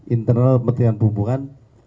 internal pemerintahan pembahas